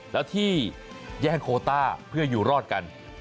แล้วที่แย่งโคต้าเพื่ออยู่รอดกัน